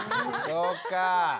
そうか。